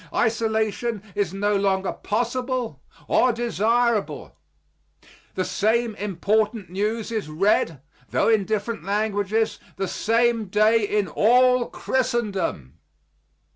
Isolation is no longer possible or desirable. The same important news is read, tho in different languages, the same day in all Christendom.